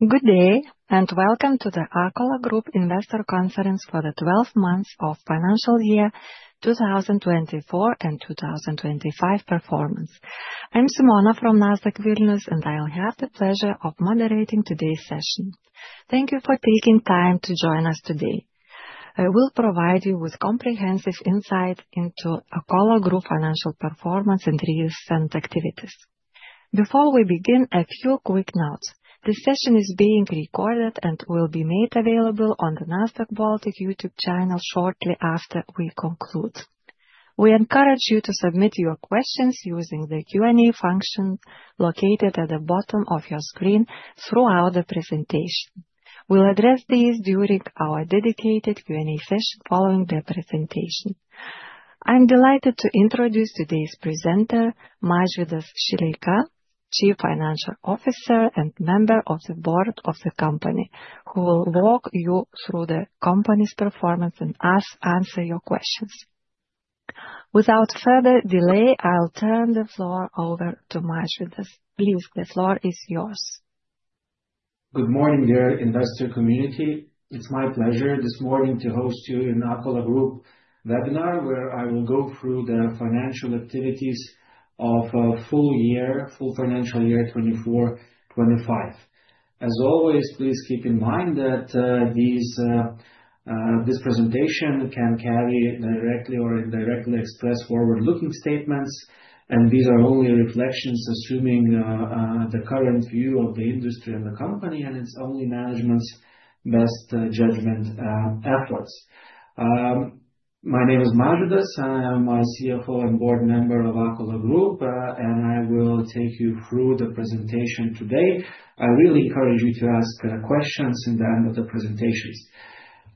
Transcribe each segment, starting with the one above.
Good day and welcome to the Akola Group Investor Conference for the 12th month of Financial Year 2024 and 2025 performance. I'm Simona from Nasdaq Vilnius, and I'll have the pleasure of moderating today's session. Thank you for taking time to join us today. I will provide you with comprehensive insight into Akola Group's financial performance and recent activities. Before we begin, a few quick notes. This session is being recorded and will be made available on the Nasdaq Baltic YouTube channel shortly after we conclude. We encourage you to submit your questions using the Q&A function located at the bottom of your screen throughout the presentation. We'll address these during our dedicated Q&A session following the presentation. I'm delighted to introduce today's presenter, Mažvydas Šileika, Chief Financial Officer and Member of the Board of the company, who will walk you through the company's performance and answer your questions. Without further delay, I'll turn the floor over to Mažvydas. Please, the floor is yours. Good morning, dear investor community. It's my pleasure this morning to host you in Akola Group Webinar, where I will go through the financial activities of a full year, full financial year 2024-2025. As always, please keep in mind that this presentation can carry directly or indirectly express forward-looking statements, and these are only reflections, assuming the current view of the industry and the company, and it's only management's best judgment efforts. My name is Mažvydas. I am a CFO and Board Member of Akola Group, and I will take you through the presentation today. I really encourage you to ask questions at the end of the presentations.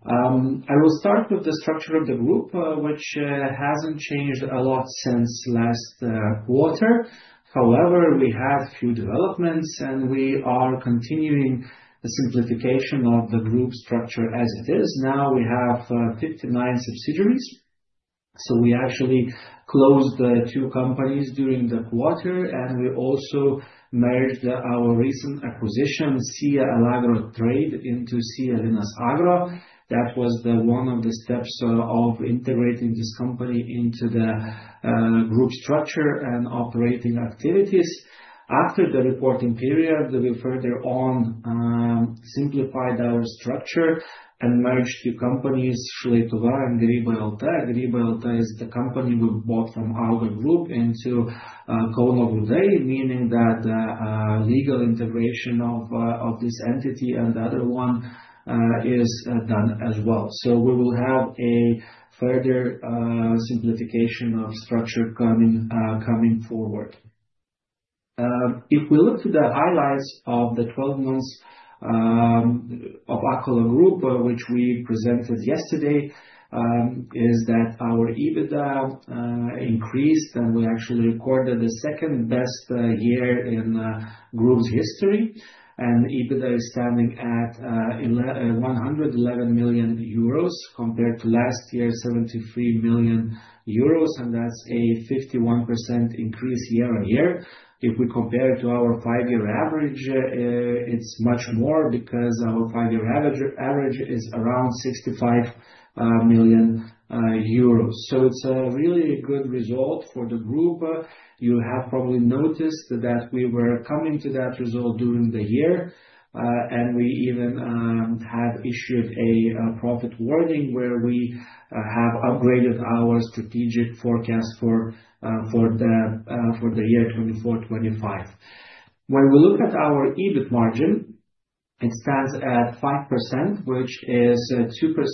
I will start with the structure of the group, which hasn't changed a lot since last quarter. However, we had a few developments, and we are continuing a simplification of the group structure as it is. Now we have 59 subsidiaries. We actually closed two companies during the quarter, and we also merged our recent acquisition, SIA Elagro Trade, into SIA Linas Agro. That was one of the steps of integrating this company into the group structure and operating activities. After the reporting period, we further simplified our structure and merged two companies, Šileika VA and Grivayalta. Grivayalta is the company we bought from Akola Group into Kauno Grūdai, meaning that the legal integration of this entity and the other one is done as well. We will have a further simplification of structure coming forward. If we look to the highlights of the 12 months of Akola Group, which we presented yesterday, our EBITDA increased, and we actually recorded the second-best year in the group's history. EBITDA is standing at 111 million euros compared to last year's 73 million euros, and that's a 51% increase year-over-year. If we compare it to our five-year average, it's much more because our five-year average is around 65 million euros. It's a really good result for the group. You have probably noticed that we were coming to that result during the year, and we even had issued a profit warning where we have upgraded our strategic forecast for the year 2024-2025. When we look at our EBIT margin, it stands at 5%, which is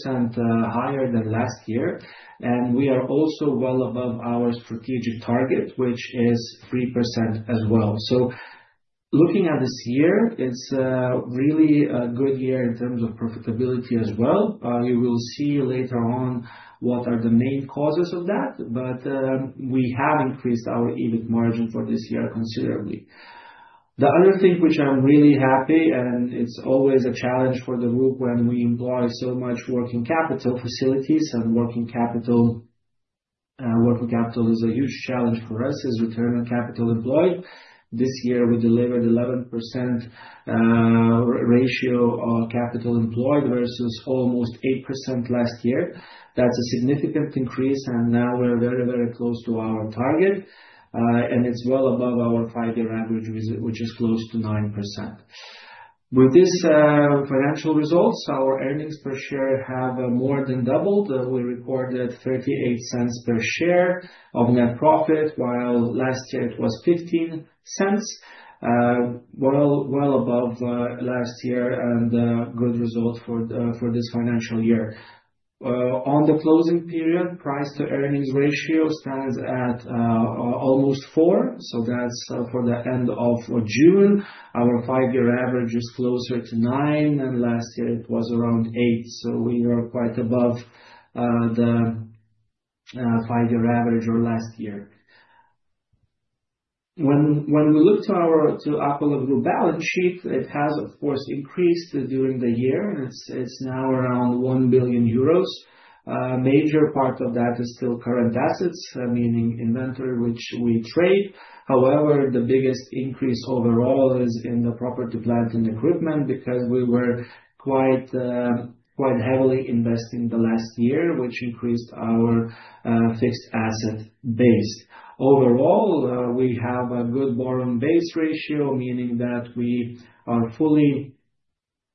2% higher than last year, and we are also well above our strategic target, which is 3% as well. Looking at this year, it's really a good year in terms of profitability as well. You will see later on what are the main causes of that, but we have increased our EBIT margin for this year considerably. The other thing which I'm really happy, and it's always a challenge for the group when we employ so much working capital facilities and working capital, working capital is a huge challenge for us as a return on capital employed. This year, we delivered an 11% ratio of capital employed versus almost 8% last year. That's a significant increase, and now we're very, very close to our target, and it's well above our five-year average, which is close to 9%. With these financial results, our earnings per share have more than doubled. We recorded 0.38 per share of net profit, while last year it was 0.15, well above last year and a good result for this financial year. On the closing period, price-to-earnings ratio stands at almost 4. That's for the end of June. Our five-year average is closer to 9, and last year it was around 8. We were quite above the five-year average of last year. When we look to our Akola Group balance sheet, it has, of course, increased during the year, and it's now around 1 billion euros. A major part of that is still current assets, meaning inventory, which we trade. However, the biggest increase overall is in the property, plant, and equipment because we were quite heavily investing in the last year, which increased our fixed asset base. Overall, we have a good borrowing base ratio, meaning that we are fully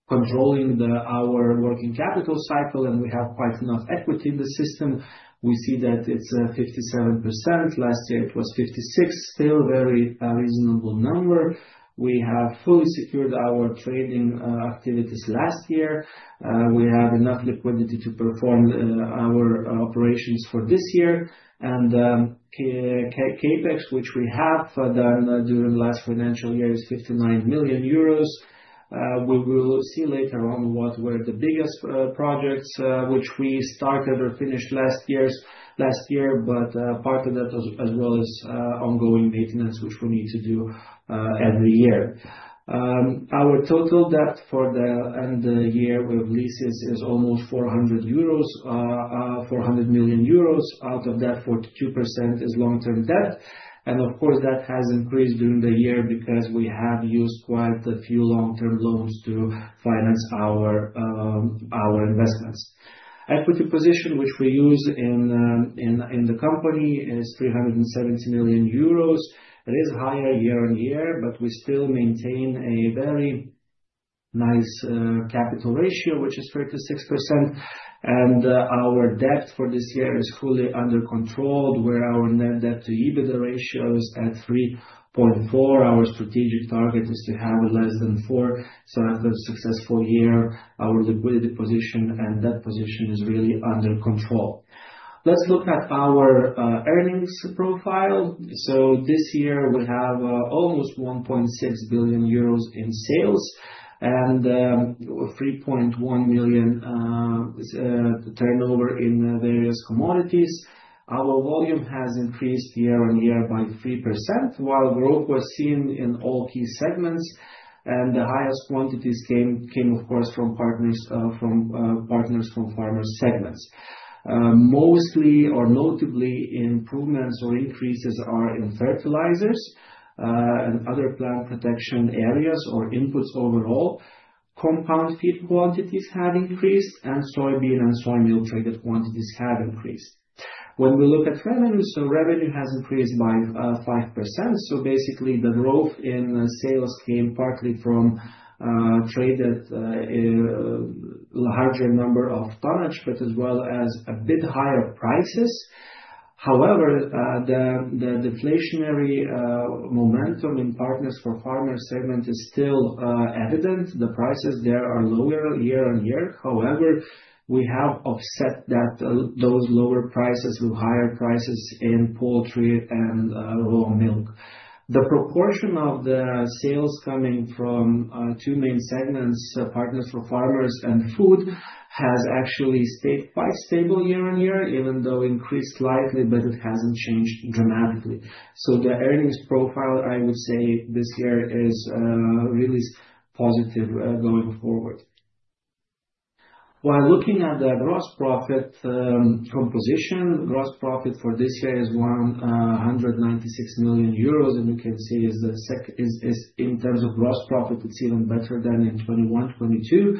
controlling our working capital cycle, and we have quite enough equity in the system. We see that it's 57%. Last year it was 56%, still a very reasonable number. We have fully secured our trading activities last year. We have enough liquidity to perform our operations for this year, and the CapEx, which we have done during the last financial year, is 59 million euros. We will see later on what were the biggest projects, which we started or finished last year, but part of that as well is ongoing maintenance, which we need to do every year. Our total debt for the end of the year with leases is almost 400 million euros. Out of that, 42% is long-term debt. Of course, that has increased during the year because we have used quite a few long-term loans to finance our investments. Equity position, which we use in the company, is 370 million euros. It is higher year on year, but we still maintain a very nice capital ratio, which is 36%. Our debt for this year is fully under control, where our net debt to EBITDA ratio is at 3.4. Our strategic target is to have less than 4 successful years. Our liquidity position and debt position are really under control. Let's look at our earnings profile. This year, we have almost 1.6 billion euros in sales and 3.1 million turnover in various commodities. Our volume has increased year-on-year by 3%, while growth was seen in all key segments. The highest quantities came, of course, from partners from finance segments. Mostly or notably, improvements or increases are in fertilizers and other plant protection areas or inputs overall. Compound seed quantities have increased, and soybean and soy milk traded quantities have increased. When we look at revenue, revenue has increased by 5%. The growth in sales came partly from a traded larger number of partners, as well as a bit higher prices. However, the deflationary momentum in partners for farmers' segment is still evident. The prices there are lower year-on-year. However, we have offset those lower prices with higher prices in poultry and raw milk. The proportion of the sales coming from two main segments, partners for farmers and food, has actually stayed quite stable year-on-year, even though increased slightly, but it hasn't changed dramatically. The earnings profile, I would say, this year is really positive going forward. While looking at the gross profit composition, gross profit for this year is 196 million euros. You can see in terms of gross profit, it's even better than in 2021-2022.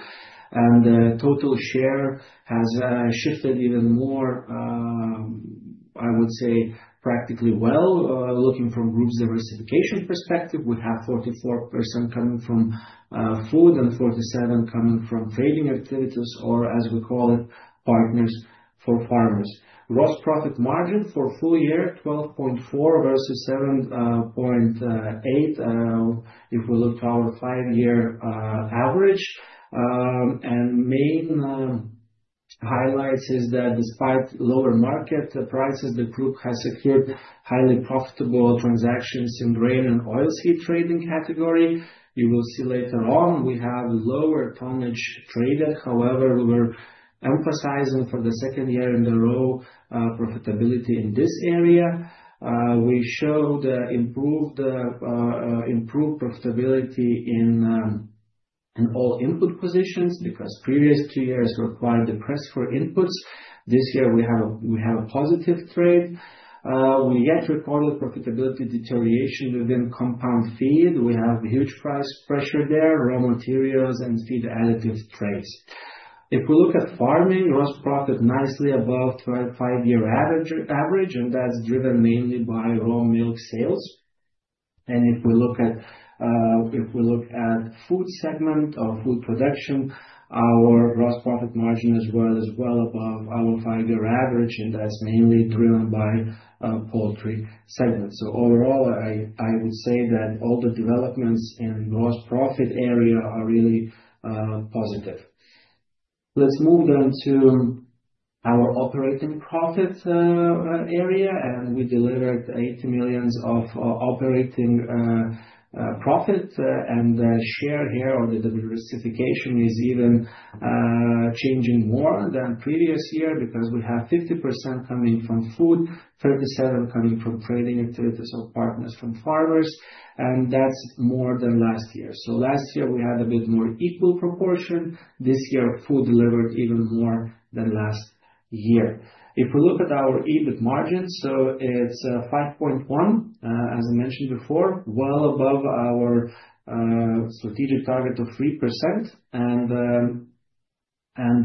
The total share has shifted even more, I would say, practically well. Looking from group's diversification perspective, we have 44% coming from food and 47% coming from trading activities, or as we call it, partners for farmers. Gross profit margin for full year is 12.4% versus 7.8% if we look to our five-year average, and main highlights is that despite lower market prices, the group has highly profitable transactions in grain and oil seed trading category. You will see later on we have a lower tonnage traded. However, we were emphasizing for the second year in a row profitability in this area. We showed improved profitability in all input positions because previous two years were quite depressed for inputs. This year, we have a positive trade. We yet recorded profitability deterioration within compound feed. We have huge price pressure there, raw materials, and feed additive trades. If we look at farming, gross profit nicely above five-year average, and that's driven mainly by raw milk sales. If we look at the food segment or food production, our gross profit margin is well above our five-year average, and that's mainly driven by the poultry segment. Overall, I would say that all the developments in the gross profit area are really positive. Let's move then to our operating profits area, and we delivered 80 million of operating profits. The share here or the diversification is even changing more than previous year because we have 50% coming from food, 37% coming from trading activities or partners from farmers, and that's more than last year. Last year, we had a bit more equal proportion. This year, food delivered even more than last year. If we look at our EBIT margin, it's 5.1%, as I mentioned before, well above our strategic target of 3%.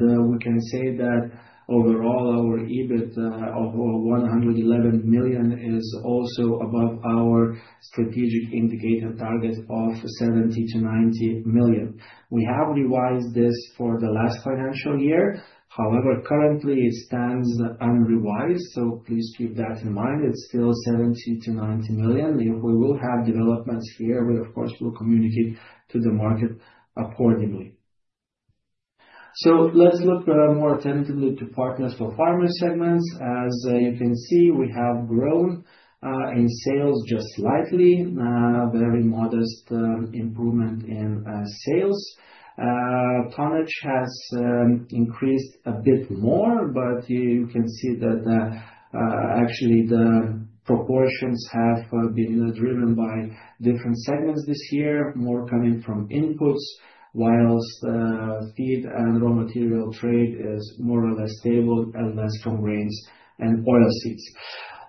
We can say that overall our EBIT of 111 million is also above our strategic indicator target of 70 million-90 million. We have revised this for the last financial year. However, currently, it stands unrevised. Please keep that in mind. It's still 70 million-90 million. If we will have developments here, we, of course, will communicate to the market accordingly. Let's look more attentively to partners for farmers' segments. As you can see, we have grown in sales just slightly, a very modest improvement in sales. Tonnage has increased a bit more, but you can see that actually the proportions have been driven by different segments this year, more coming from inputs, whilst feed and raw material trade is more or less stable and less from grains and oilseeds.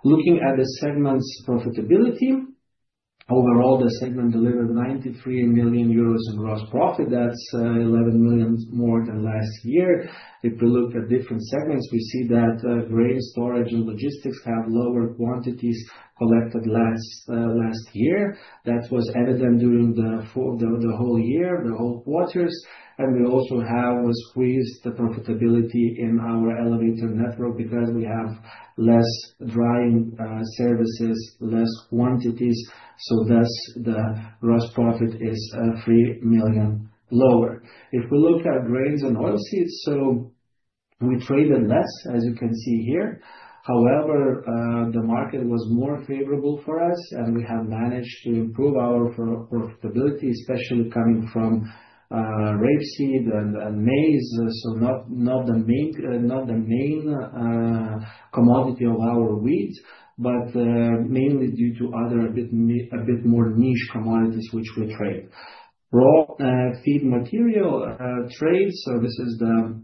Looking at the segment's profitability, overall, the segment delivered 93 million euros in gross profit. That's 11 million more than last year. If we look at different segments, we see that grain storage and logistics have lower quantities collected last year. That was evident during the whole year, the whole quarters. We also have freezed the profitability in our elevator network because we have less drying services, less quantities. Thus, the gross profit is 3 million lower. If we look at grains and oilseeds, we traded less, as you can see here. However, the market was more favorable for us, and we have managed to improve our profitability, especially coming from rapeseed and maize. Not the main commodity of our wheat, but mainly due to other a bit more niche commodities which we trade. Raw feed material trades, this is the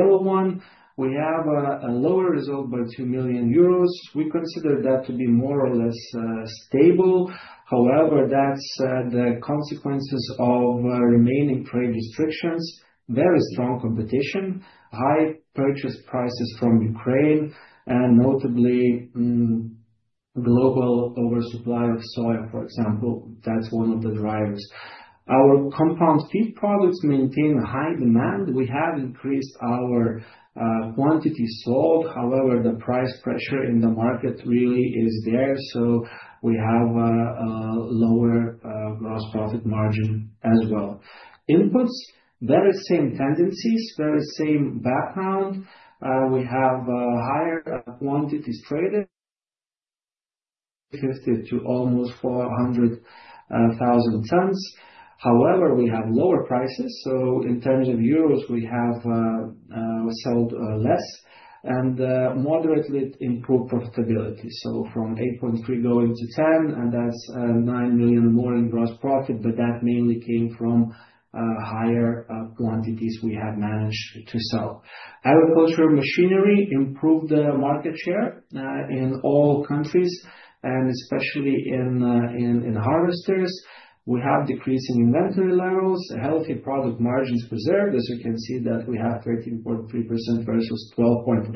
yellow one. We have a lower result by 2 million euros. We consider that to be more or less stable. However, that's the consequences of remaining trade restrictions, very strong competition, high purchase prices from Ukraine, and notably, global oversupply of soy, for example. That's one of the drivers. Our compound seed products maintain high demand. We have increased our quantity sold. However, the price pressure in the market really is there. We have a lower gross profit margin as well. Inputs, very same tendencies, very same background. We have higher quantities traded, shifted to almost 400,000 tons. However, we have lower prices. In EUR 10 million, we have sold less and moderately improved profitability. From 8.3 million going to 10 million, and that's 9 million more in gross profit, but that mainly came from higher quantities we have managed to sell. Agricultural machinery improved the market share in all countries, and especially in harvesters. We have decreased inventory levels, healthy product margins preserved. As you can see, we have 13.3% versus 12.8%,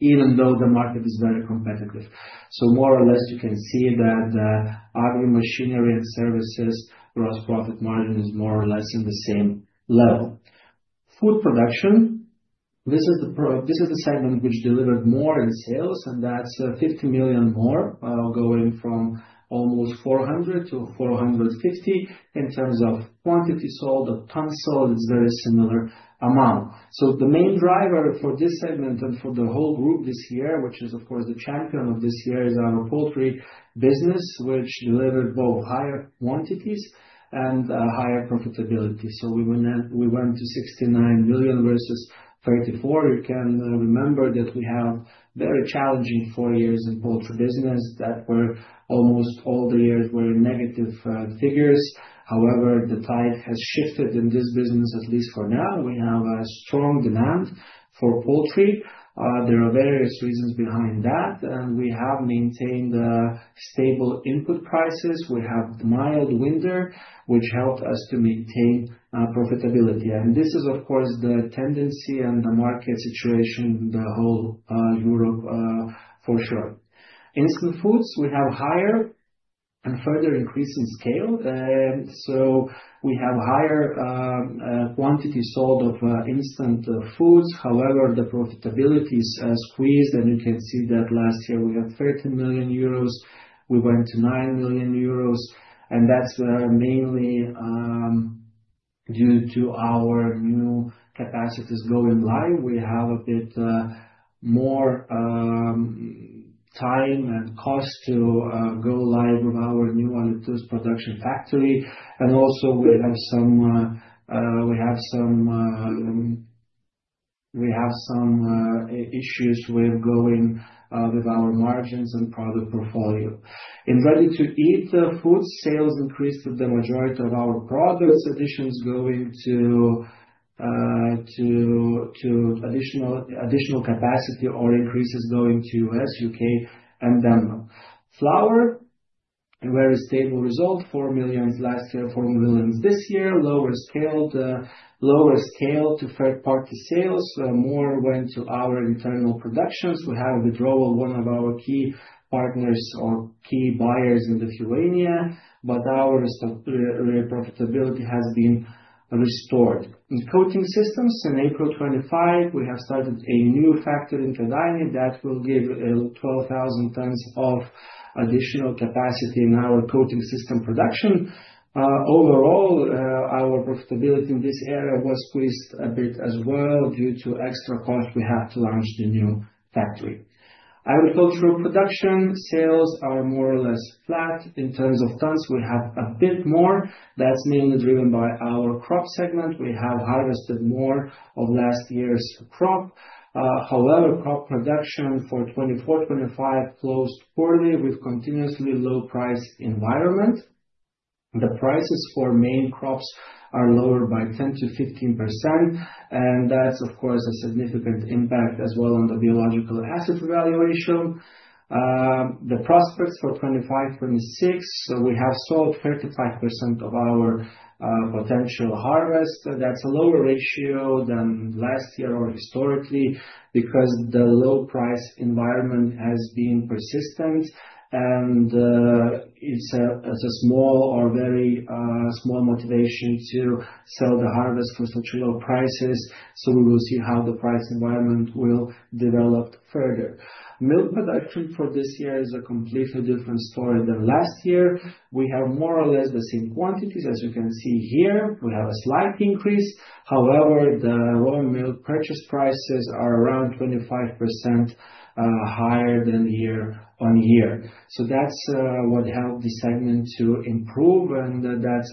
even though the market is very competitive. More or less, you can see that the agri-machinery and services gross profit margin is more or less in the same level. Food production, this is the segment which delivered more in sales, and that's 50 million more, going from almost 400 million-450 million in terms of quantity sold. A ton sold is a very similar amount. The main driver for this segment and for the whole group this year, which is, of course, the champion of this year, is our poultry business, which delivered both higher quantities and higher profitability. We went to 69 million versus 34 million. You can remember that we have very challenging four years in poultry business that were almost all the years were negative figures. The tide has shifted in this business, at least for now. We have a strong demand for poultry. There are various reasons behind that, and we have maintained stable input prices. We have mild winter, which helped us to maintain profitability. This is, of course, the tendency and the market situation in the whole Europe for sure. In instant foods, we have a higher and further increase in scale. We have higher quantity sold of instant foods. However, the profitability is squeezed, and you can see that last year we had 13 million euros. We went to 9 million euros, and that's mainly due to our new capacities going live. We have a bit more time and cost to go live with our new and tooth production factory. We have some issues with going with our margins and product portfolio. In ready-to-eat foods, sales increased with the majority of our products additions going to additional capacity or increases going to U.S., U.K., and Denmark. Flour, a very stable result, 4 million last year, 4 million this year. Lower scale to third-party sales, more went to our internal productions. We had a withdrawal of one of our key partners or key buyers in Lithuania, but our profitability has been restored. In coating systems, in April 2025, we have started a new factory in Kēdainiai that will give 12,000 tons of additional capacity in our coating system production. Overall, our profitability in this area was squeezed a bit as well due to extra costs we had to launch the new factory. Agricultural production, sales are more or less flat in terms of tons. We have a bit more. That's mainly driven by our crop segment. We have harvested more of last year's crop. However, crop production for 2024-2025 closed poorly with a continuously low-priced environment. The prices for main crops are lowered by 10%-15%, and that's, of course, a significant impact as well on the biological asset valuation. The prospects for 2025-2026, we have sold 35% of our potential harvest. That's a lower ratio than last year or historically because the low-price environment has been persistent, and it's a small or very small motivation to sell the harvest for such low prices. We will see how the price environment will develop further. Milk production for this year is a completely different story than last year. We have more or less the same quantities, as you can see here. We have a slight increase. However, the raw milk purchase prices are around 25% higher than year-on-year. That's what helped the segment to improve, and that's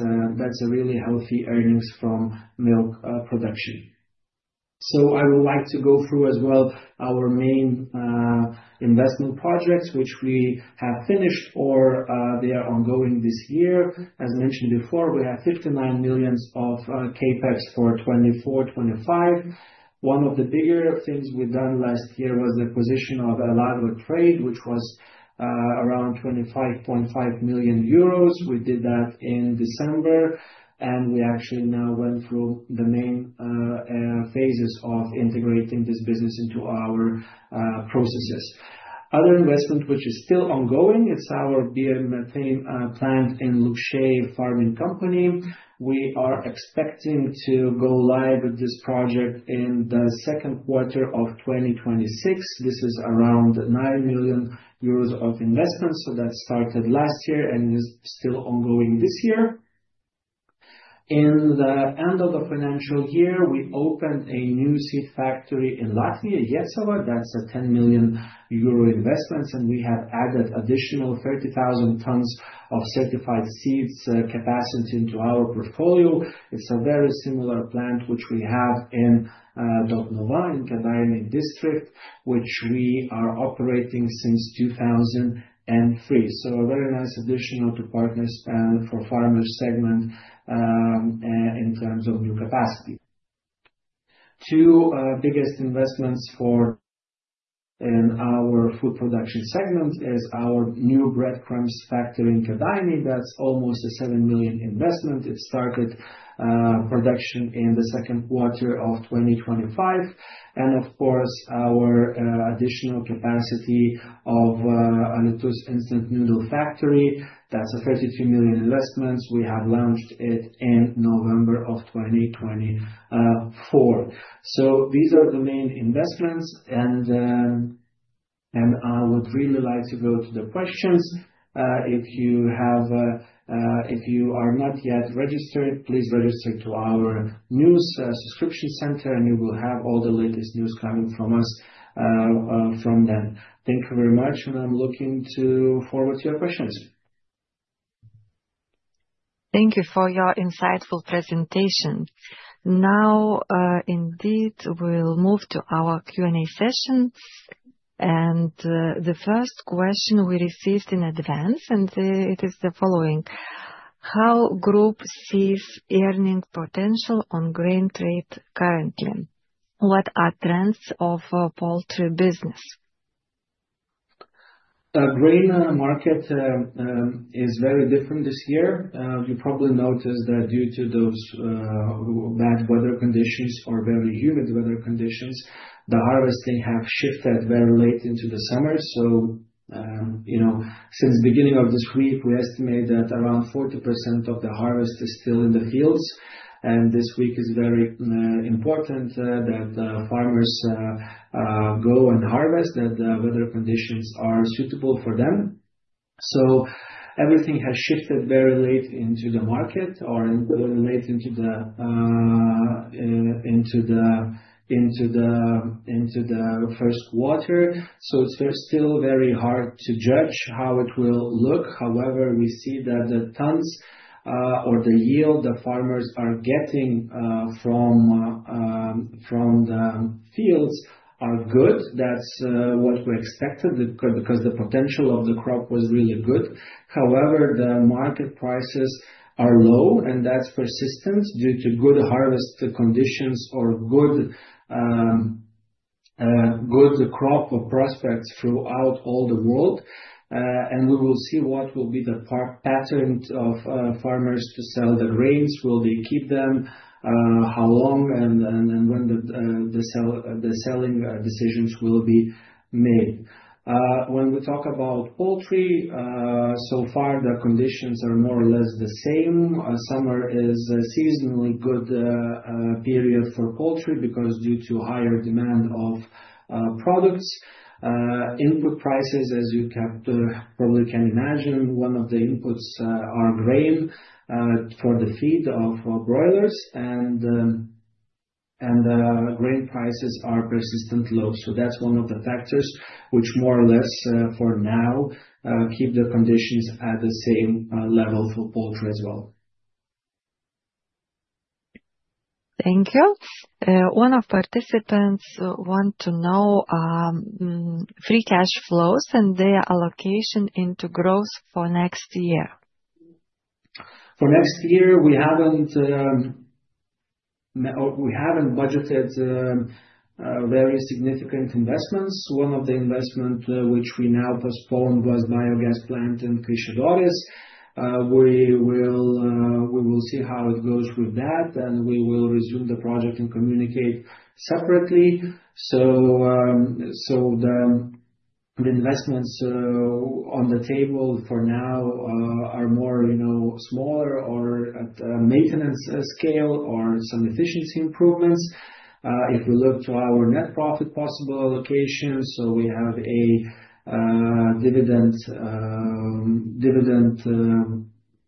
a really healthy earnings from milk production. I would like to go through as well our main investment projects, which we have finished or they are ongoing this year. As mentioned before, we have 59 million of CapEx for 2024-2025. One of the bigger things we've done last year was the acquisition of Elagro Trade, which was around 25.5 million euros. We did that in December, and we actually now went through the main phases of integrating this business into our processes. Other investment, which is still ongoing, is our beer and methane plant in Luxembourg farming company. We are expecting to go live with this project in the second quarter of 2026. This is around 9 million euros of investment. That started last year and is still ongoing this year. At the end of the financial year, we opened a new seed factory in Latvia, Lecava. That's a 10 million euro investment, and we have added an additional 30,000 tons of certified seeds capacity into our portfolio. It's a very similar plant to the one we have in Baltnova in the Kēdainiai district, which we have been operating since 2003. A very nice addition to the Partners for Farmers segment in terms of new capacity. The two biggest investments in our food production segment are our new breadcrumbs factory in Kēdainiai. That's almost a 7 million investment. It started production in the second quarter of 2025. Of course, our additional capacity at Alytus Instant Noodle Factory. That's a 33 million investment. We launched it in November 2024. These are the main investments, and I would really like to go to the questions. If you are not yet registered, please register to our news subscription center, and you will have all the latest news coming from us from there. Thank you very much, and I'm looking forward to your questions. Thank you for your insightful presentation. Now, indeed, we'll move to our Q&A session. The first question we received in advance is the following: How does the group see earning potential on grain trade currently? What are trends of poultry business? Grain market is very different this year. You probably noticed that due to those bad weather conditions or very humid weather conditions, the harvesting has shifted very late into the summer. Since the beginning of this week, we estimate that around 40% of the harvest is still in the fields. This week is very important that farmers go and harvest, that the weather conditions are suitable for them. Everything has shifted very late into the market or very late into the first quarter. It's still very hard to judge how it will look. However, we see that the tons or the yield the farmers are getting from the fields are good. That's what we expected because the potential of the crop was really good. However, the market prices are low, and that's persistent due to good harvest conditions or good crop prospects throughout all the world. We will see what will be the pattern of farmers to sell the grains. Will they keep them? How long? When the selling decisions will be made? When we talk about poultry, so far, the conditions are more or less the same. Summer is a seasonally good period for poultry because due to higher demand of products. Input prices, as you probably can imagine, one of the inputs are grain for the feed of broilers. The grain prices are persistently low. That's one of the factors which more or less, for now, keep the conditions at the same level for poultry as well. Thank you. One of participants wants to know free cash flows and their allocation into growth for next year. For next year, we haven't budgeted very significant investments. One of the investments which we now postponed was the biogas plant in Kaišiadorys. We will see how it goes with that, and we will resume the project and communicate separately. The investments on the table for now are more smaller or at a maintenance scale or some efficiency improvements. If we look to our net profit possible allocation, we have a dividend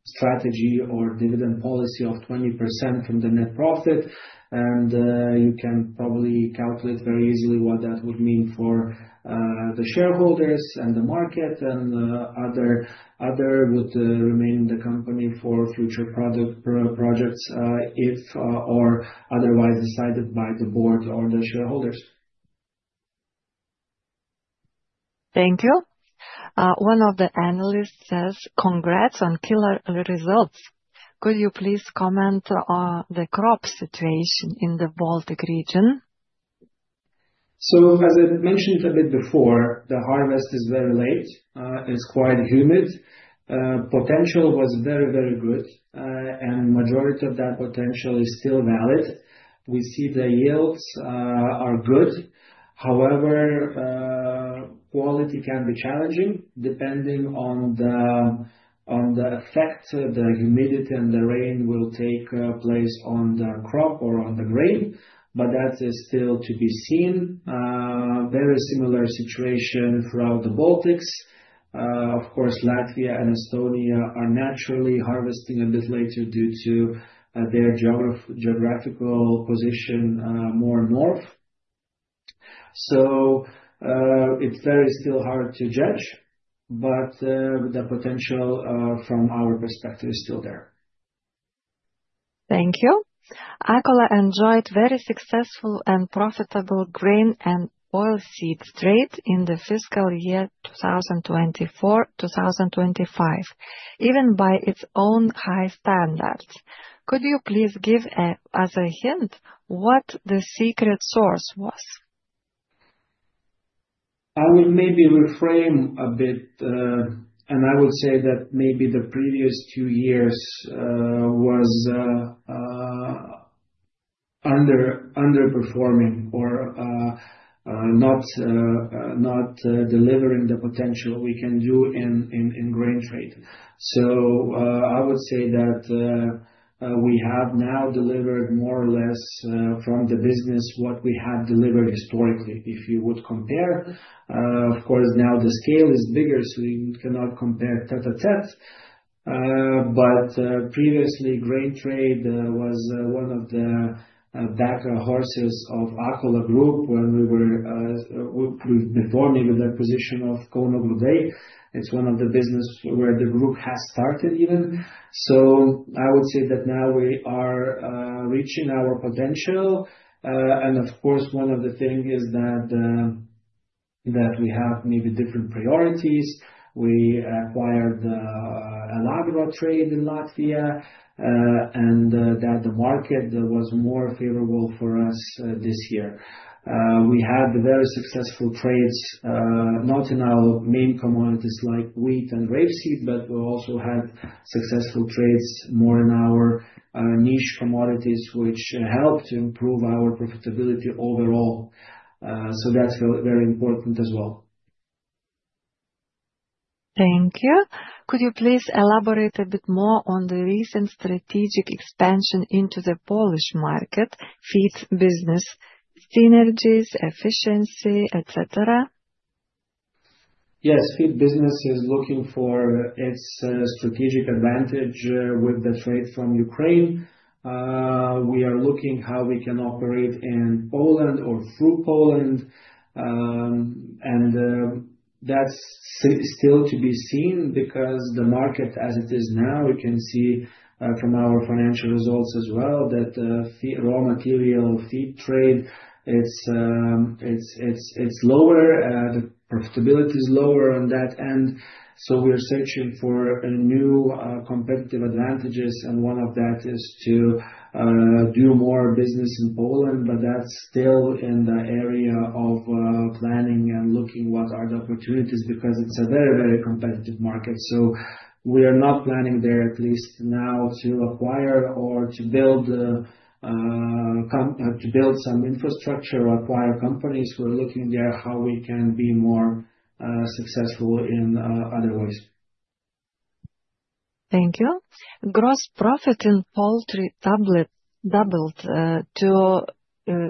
strategy or dividend policy of 20% from the net profit. You can probably calculate very easily what that would mean for the shareholders and the market. The other would remain in the company for future projects if or otherwise decided by the board or the shareholders. Thank you. One of the analysts says, "Congrats on killer results." Could you please comment on the crop situation in the Baltics? I mentioned it a bit before. The harvest is very late. It's quite humid. Potential was very, very good, and the majority of that potential is still valid. We see the yields are good. However, quality can be challenging depending on the effects of the humidity and the rain will take place on the crop or on the grain. That is still to be seen. A very similar situation throughout the Baltics. Latvia and Estonia are naturally harvesting a bit later due to their geographical position more north. It's still very hard to judge, but the potential from our perspective is still there. Thank you. Akola Group enjoyed very successful and profitable grain and oilseed trade in the fiscal year 2024-2025, even by its own high standards. Could you please give us a hint what the secret source was? I will maybe reframe a bit, and I will say that maybe the previous two years were underperforming or not delivering the potential we can do in grain trade. I would say that we have now delivered more or less from the business what we have delivered historically. If you would compare, of course, now the scale is bigger, so you cannot compare tête-à-tête. Previously, grain trade was one of the backer horses of Akola Group when we were before maybe the acquisition of Akola Group. It's one of the businesses where the group has started even. I would say that now we are reaching our potential. Of course, one of the things is that we have maybe different priorities. We acquired Elagro Trade in Latvia, and the market was more favorable for us this year. We had very successful trades, not in our main commodities like wheat and rapeseed, but we also had successful trades more in our niche commodities, which helped to improve our profitability overall. That's very important as well. Thank you. Could you please elaborate a bit more on the recent strategic expansion into the Polish market, feed business, synergies, efficiency, etc.? Yes, feed business is looking for its strategic advantage with the trade from Ukraine. We are looking at how we can operate in Poland or through Poland. That's still to be seen because the market as it is now, you can see from our financial results as well that raw material feed trade, it's lower. The profitability is lower on that end. We are searching for new competitive advantages, and one of that is to do more business in Poland. That's still in the area of planning and looking at what are the opportunities because it's a very, very competitive market. We are not planning there at least now to acquire or to build some infrastructure or acquire companies. We're looking at how we can be more successful in other ways. Thank you. Gross profit in poultry doubled to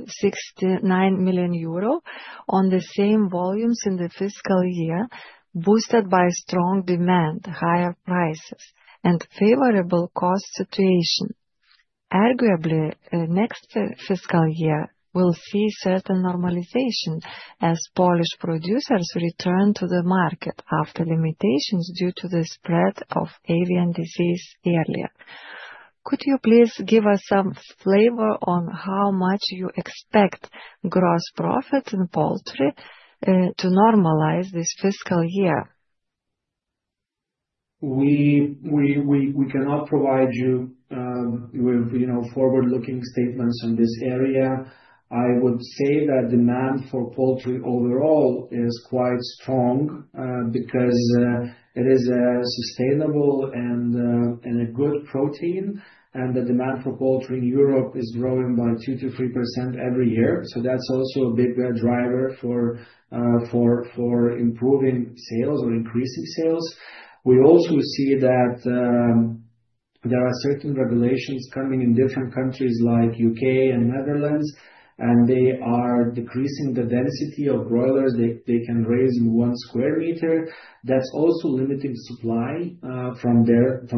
69 million euro on the same volumes in the fiscal year, boosted by strong demand, higher prices, and favorable cost situation. Arguably, next fiscal year we'll see certain normalization as Polish producers return to the market after limitations due to the spread of avian disease earlier. Could you please give us some flavor on how much you expect gross profit in poultry to normalize this fiscal year? We cannot provide you with forward-looking statements in this area. I would say that demand for poultry overall is quite strong because it is a sustainable and a good protein. The demand for poultry in Europe is growing by 2%-3% every year. That's also a big driver for improving sales or increasing sales. We also see that there are certain regulations coming in different countries like the U.K. and Netherlands, and they are decreasing the density of broilers they can raise in one square meter. That's also limiting supply from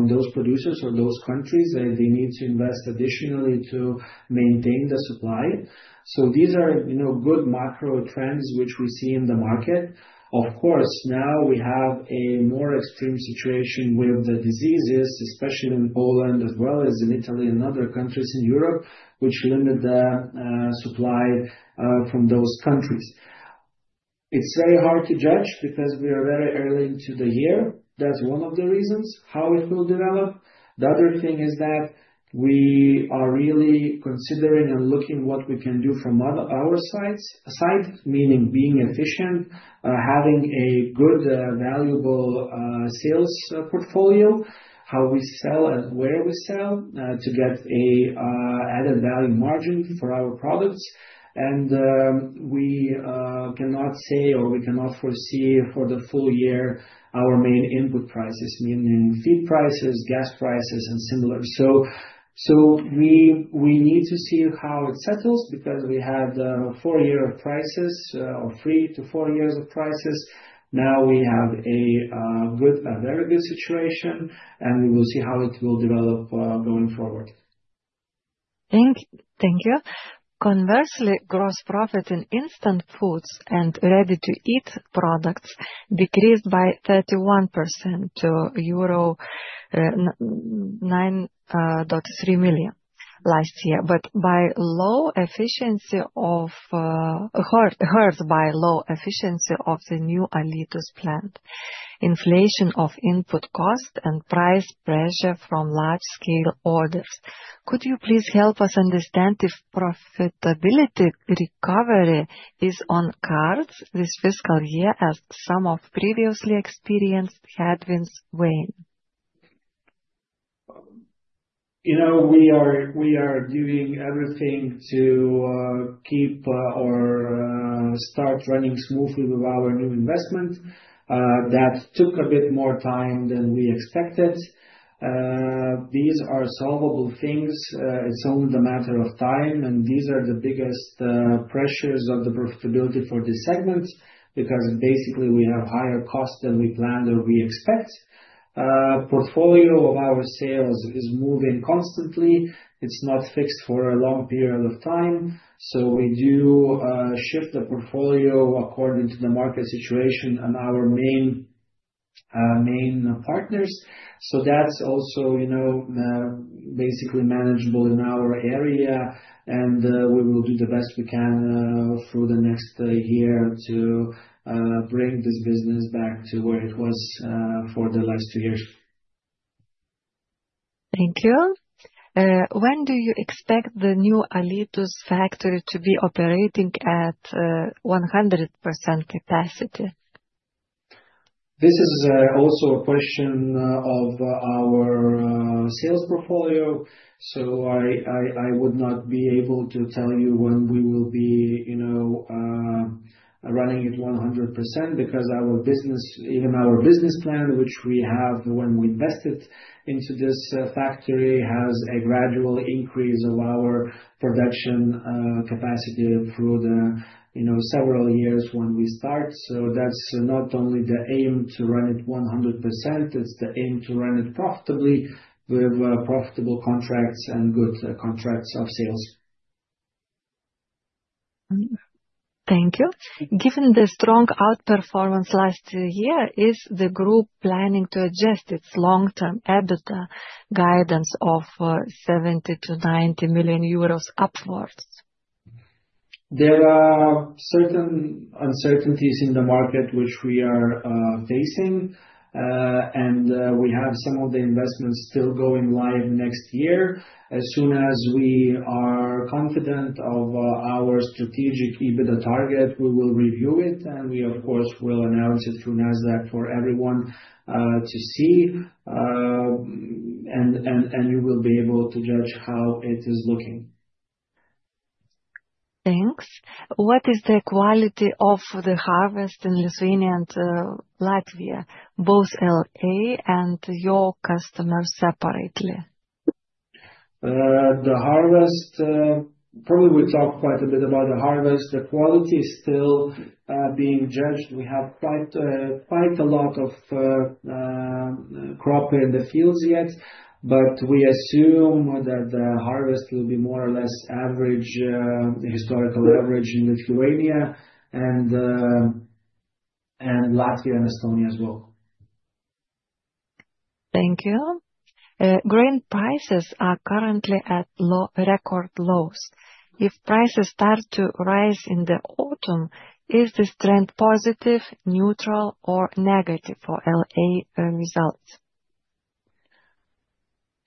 those producers or those countries, and they need to invest additionally to maintain the supply. These are good macro trends which we see in the market. Of course, now we have a more extreme situation with the diseases, especially in Poland as well as in Italy and other countries in Europe, which limit the supply from those countries. It's very hard to judge because we are very early into the year. That's one of the reasons how it will develop. The other thing is that we are really considering and looking at what we can do from our side, meaning being efficient, having a good, valuable sales portfolio, how we sell and where we sell to get an added value margin for our products. We cannot say or we cannot foresee for the full year our main input prices, meaning feed prices, gas prices, and similar. We need to see how it settles because we had four years of crisis or three to four years of crisis. Now we have a very good situation, and we will see how it will develop going forward. Thank you. Conversely, gross profit in instant foods and ready-to-eat products decreased by 31% to euro 9.3 million last year, hurt by low efficiency of the new Alytus plant, inflation of input cost, and price pressure from large-scale orders. Could you please help us understand if profitability recovery is on cards this fiscal year as some of previously experienced headwinds wane? We are doing everything to keep or start running smoothly with our new investment. That took a bit more time than we expected. These are solvable things. It's only a matter of time, and these are the biggest pressures of the profitability for these segments because basically we have higher costs than we planned or we expect. The portfolio of our sales is moving constantly. It's not fixed for a long period of time. We do shift the portfolio according to the market situation and our main partners. That's also basically manageable in our area, and we will do the best we can for the next year to bring this business back to where it was for the last two years. Thank you. When do you expect the new Alytus factory to be operating at 100% capacity? This is also a question of our sales portfolio. I would not be able to tell you when we will be running at 100% because our business, even our business plan, which we have when we invested into this factory, has a gradual increase of our production capacity through the several years when we start. That's not only the aim to run it 100%. It's the aim to run it profitably with profitable contracts and good contracts of sales. Thank you. Given the strong outperformance last year, is the group planning to adjust its long-term EBITDA guidance of 70 killion-EUR 90 million upwards? There are certain uncertainties in the market which we are facing, and we have some of the investments still going live next year. As soon as we are confident of our strategic EBITDA target, we will review it, and we, of course, will announce it through Nasdaq for everyone to see, and we will be able to judge how it is looking. Thanks. What is the quality of the harvest in Lithuania and Latvia, both Akola Group and your customers separately? The harvest, probably we talked quite a bit about the harvest. The quality is still being judged. We have quite a lot of crop in the fields yet, but we assume that the harvest will be more or less average, historical average in Lithuania and Latvia and Estonia as well. Thank you. Grain prices are currently at record lows. If prices start to rise in the autumn, is this trend positive, neutral, or negative for L.A. results?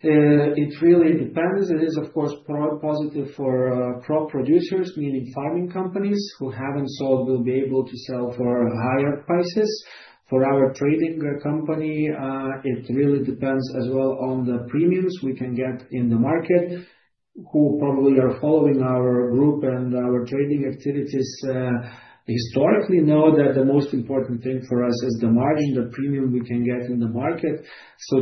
It really depends. It is, of course, positive for crop producers, meaning farming companies who haven't sold will be able to sell for higher prices. For our trading company, it really depends as well on the premiums we can get in the market. Who probably are following our group and our trading activities historically know that the most important thing for us is the margin, the premium we can get in the market.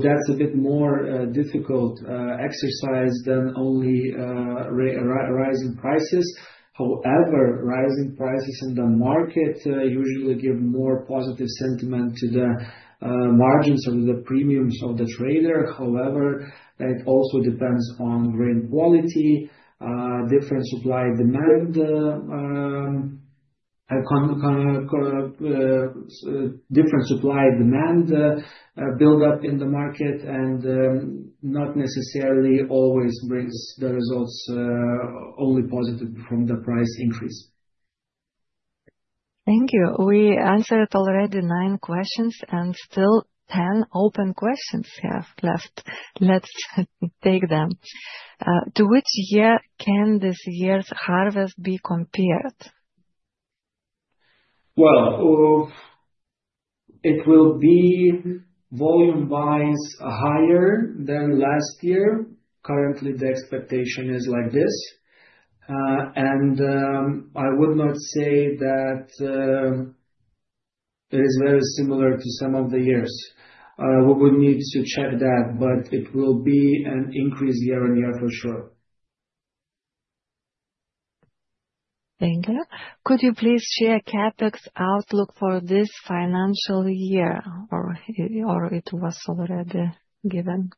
That's a bit more difficult exercise than only rising prices. However, rising prices in the market usually give more positive sentiment to the margins or the premiums of the trader. It also depends on grain quality, different supply demand, different supply demand buildup in the market, and not necessarily always brings the results only positive from the price increase. Thank you. We answered already nine questions, and still 10 open questions have left. Let's take them. To which year can this year's harvest be compared? It will be volume-wise higher than last year. Currently, the expectation is like this. I would not say that it is very similar to some of the years. We would need to check that, but it will be an increase year on year for sure. Thank you. Could you please share CapEx outlook for this financial year, or it was already given?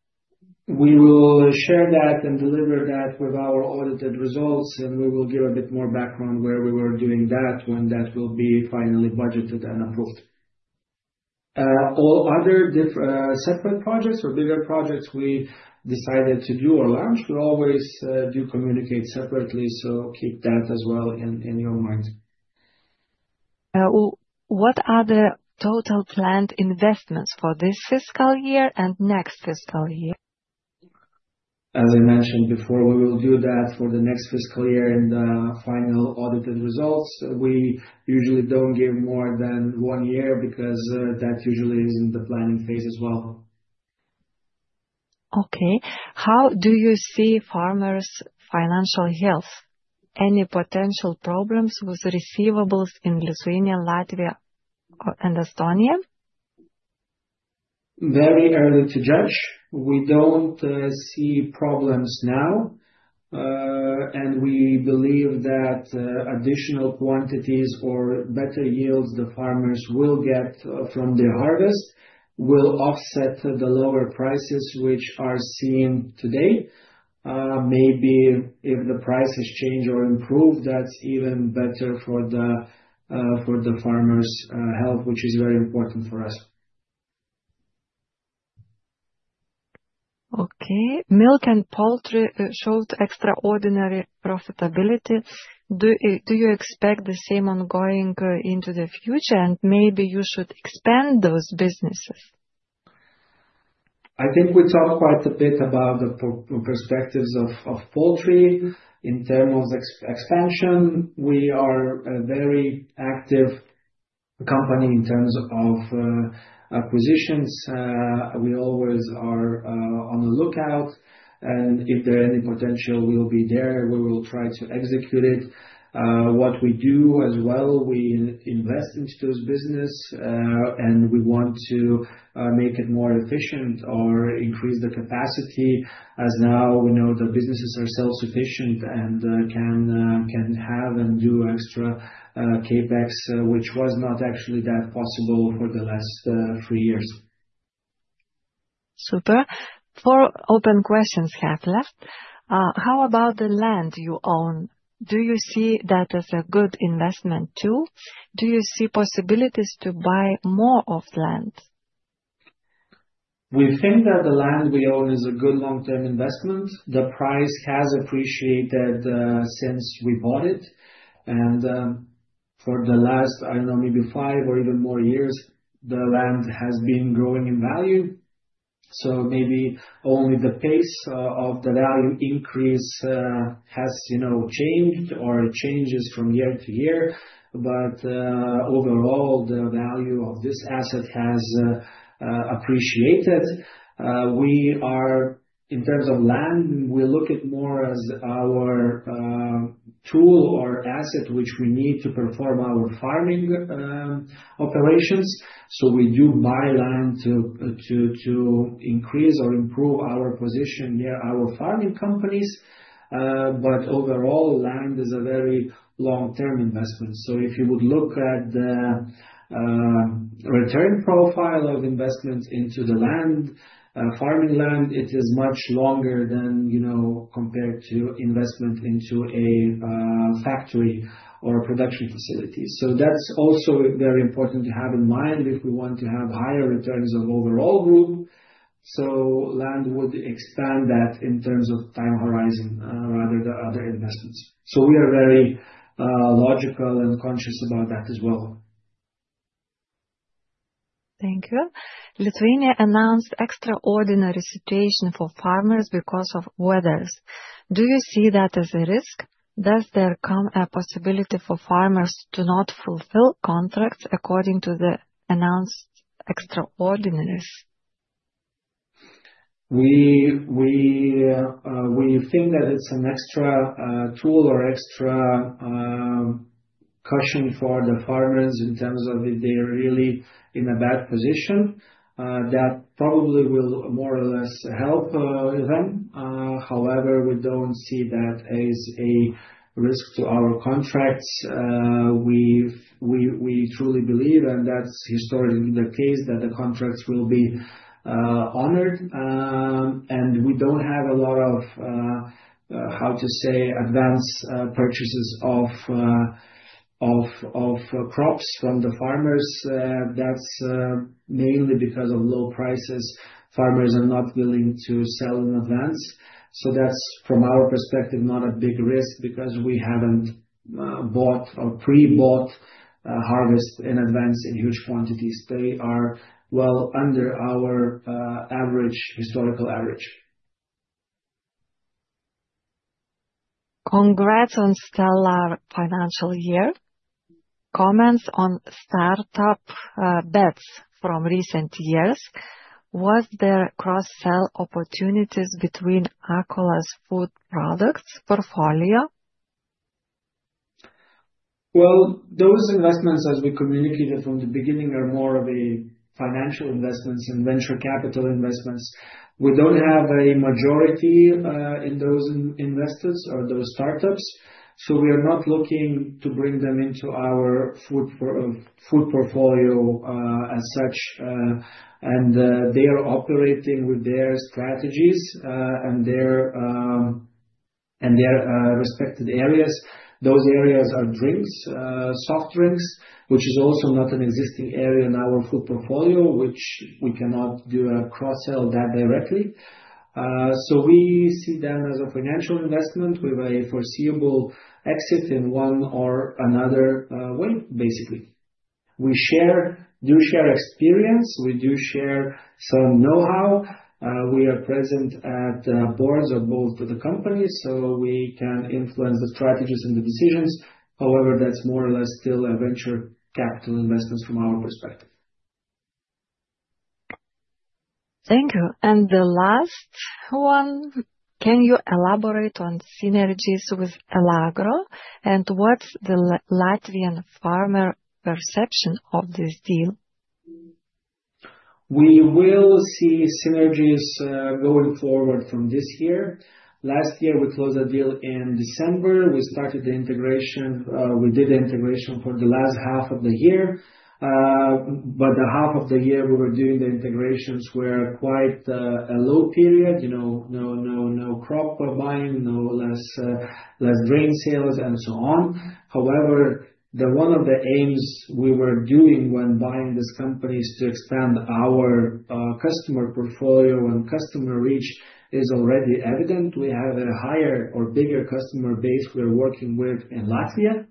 We will share that and deliver that with our audited results, and we will give a bit more background where we were doing that when that will be finally budgeted and approved. All other separate projects or bigger projects we decided to do or launch, we always do communicate separately. Keep that as well in your mind. What are the total planned investments for this fiscal year and next fiscal year? As I mentioned before, we will do that for the next fiscal year and the final audited results. We usually don't give more than one year because that usually is in the planning phase as well. Okay. How do you see farmers' financial health? Any potential problems with receivables in Lithuania, Latvia, and Estonia? Very early to judge. We don't see problems now, and we believe that additional quantities or better yields the farmers will get from their harvest will offset the lower prices which are seen today. Maybe if the prices change or improve, that's even better for the farmers' health, which is very important for us. Okay. Milk and poultry showed extraordinary profitability. Do you expect the same ongoing into the future, and maybe you should expand those businesses? I think we talked quite a bit about the perspectives of poultry in terms of expansion. We are a very active company in terms of acquisitions. We always are on the lookout, and if there are any potential, we'll be there. We will try to execute it. What we do as well, we invest into those businesses, and we want to make it more efficient or increase the capacity, as now we know the businesses are self-sufficient and can have and do extra CapEx, which was not actually that possible for the last three years. Super. Four open questions have left. How about the land you own? Do you see that as a good investment too? Do you see possibilities to buy more of land? We think that the land we own is a good long-term investment. The price has appreciated since we bought it. For the last, I don't know, maybe five or even more years, the land has been growing in value. Maybe only the pace of the value increase has changed or changes from year to year. Overall, the value of this asset has appreciated. In terms of land, we look at it more as our tool or asset which we need to perform our farming operations. We do buy land to increase or improve our position near our farming companies. Overall, land is a very long-term investment. If you would look at the return profile of investments into the land, farming land, it is much longer than compared to investment into a factory or a production facility. That is also very important to have in mind if we want to have higher returns on the overall group. Land would expand that in terms of time horizon rather than other investments. We are very logical and conscious about that as well. Thank you. Lithuania announced an extraordinary situation for farmers because of weathers. Do you see that as a risk? Does there come a possibility for farmers to not fulfill contracts according to the announced extraordinaries? We think that it's an extra tool or extra caution for the farmers in terms of if they're really in a bad position. That probably will more or less help them. However, we don't see that as a risk to our contracts. We truly believe, and that's historically the case, that the contracts will be honored. We don't have a lot of, how to say, advanced purchases of crops from the farmers. That's mainly because of low prices. Farmers are not willing to sell in advance. From our perspective, that's not a big risk because we haven't bought or pre-bought harvests in advance in huge quantities. They are well under our historical average. Congrats on stellar financial year. Comments on startup bets from recent years. Was there cross-sell opportunities between Akola Group's food products portfolio? Those investments, as we communicated from the beginning, are more of financial investments and venture capital investments. We don't have a majority in those investments or those startups. We are not looking to bring them into our food portfolio as such. They are operating with their strategies and their respected areas. Those areas are drinks, soft drinks, which is also not an existing area in our food portfolio, which we cannot do a cross-sell that directly. We see them as a financial investment with a foreseeable exit in one or another. Basically, we do share experience. We do share some know-how. We are present at boards of both the companies, so we can influence the strategies and the decisions. However, that's more or less still a venture capital investment from our perspective. Thank you. The last one, can you elaborate on synergies with Elagro and what's the Latvian farmer perception of this deal? We will see synergies going forward from this year. Last year, we closed the deal in December. We started the integration. We did the integration for the last half of the year. The half of the year we were doing the integrations was quite a low period. You know, no crop buying, less grain sales, and so on. However, one of the aims we had when buying these companies was to expand our customer portfolio. The customer reach is already evident, we have a higher or bigger customer base we're working with in Latvia.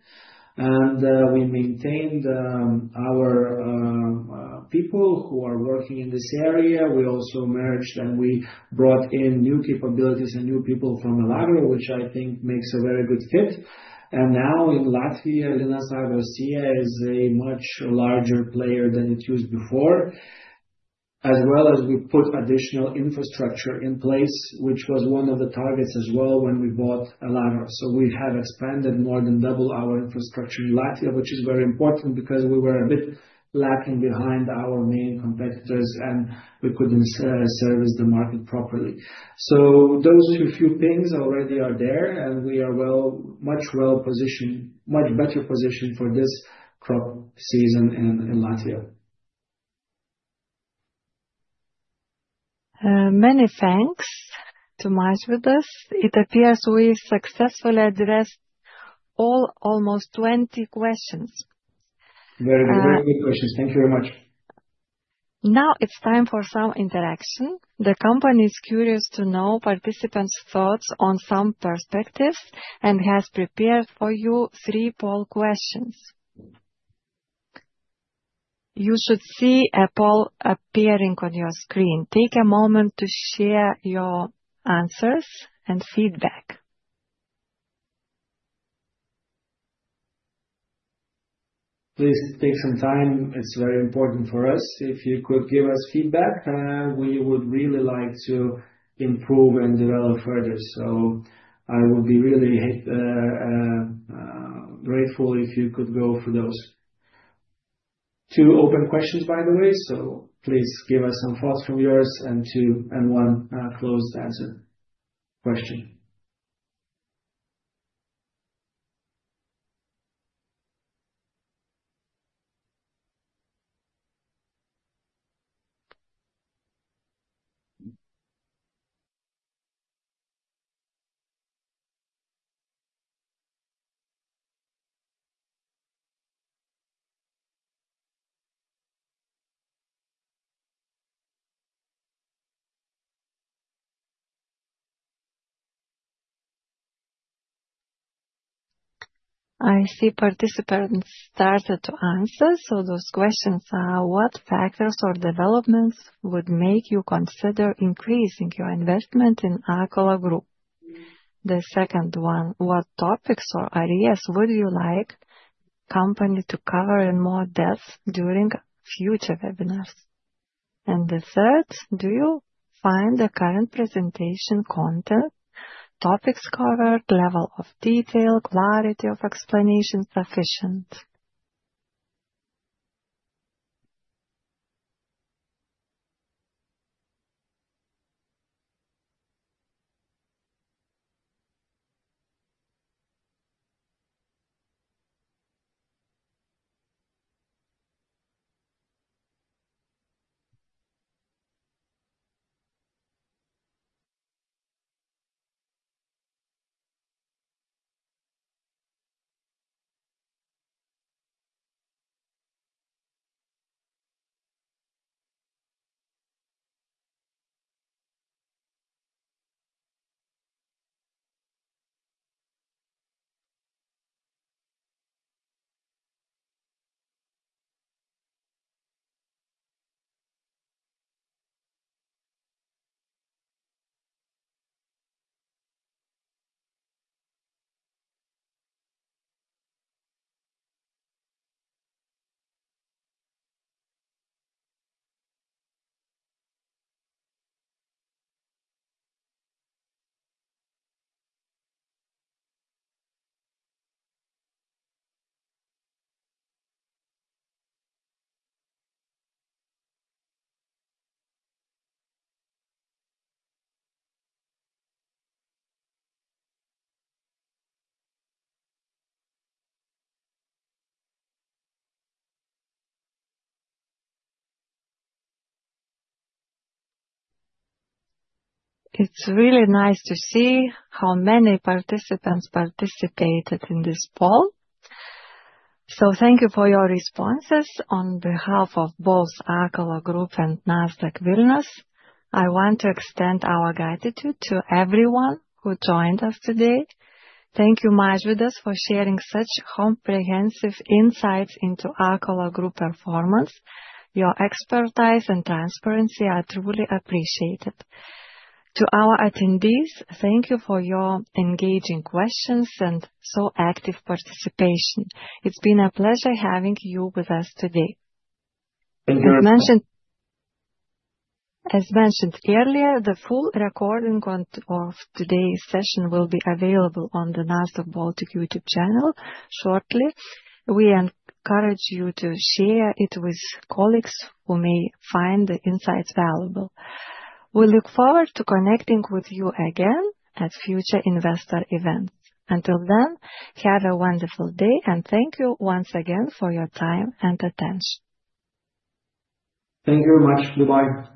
We maintained our people who are working in this area. We also merged and we brought in new capabilities and new people from Elagro which I think makes a very good fit. Now in Latvia, Linas Agro is a much larger player than it used to be, as well as we put additional infrastructure in place, which was one of the targets as well when we bought Elagro. We have expanded more than double our infrastructure in Latvia, which is very important because we were a bit lacking behind our main competitors and we couldn't service the market properly. Those are a few things already there, and we are much better positioned for this crop season in Latvia. Many thanks to Mažvydas with us. It appears we successfully addressed all almost 20 questions. Very good questions. Thank you very much. Now it's time for some interaction. The company is curious to know participants' thoughts on some perspectives and has prepared for you three poll questions. You should see a poll appearing on your screen. Take a moment to share your answers and feedback. Please take some time. It's very important for us. If you could give us feedback, we would really like to improve and develop further. I would be really grateful if you could go for those two open questions, by the way. Please give us some thoughts from yours and one closed answer question. I see participants started to answer. Those questions are: What factors or developments would make you consider increasing your investment in Akola Group? The second one: What topics or areas would you like the company to cover in more depth during future webinars? The third: Do you find the current presentation content, topics covered, level of detail, clarity of explanation sufficient? It's really nice to see how many participants participated in this poll. Thank you for your responses. On behalf of both Akola Group and Nasdaq Vilnius, I want to extend our gratitude to everyone who joined us today. Thank you, Mažvydas, for sharing such comprehensive insights into Akola Group performance. Your expertise and transparency are truly appreciated. To our attendees, thank you for your engaging questions and so active participation. It's been a pleasure having you with us today. As mentioned earlier, the full recording of today's session will be available on the Nasdaq Baltic YouTube channel shortly. We encourage you to share it with colleagues who may find the insights valuable. We look forward to connecting with you again at future investor events. Until then, have a wonderful day, and thank you once again for your time and attention. Thank you very much. Goodbye.